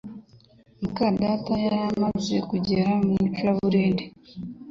muka data yari amaze kugera mu icuraburindi